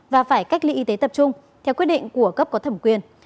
và phải cách ly y tế tập trung theo quyết định của cấp có thẩm quyền